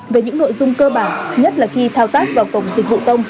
về những nội dung cơ bản nhất là khi thao tác vào cổng dịch vụ công